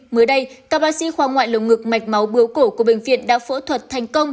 mới đây các bác sĩ khoa ngoại lồng ngực mạch máu bướu cổ của bệnh viện đã phẫu thuật thành công